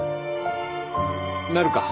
なるか。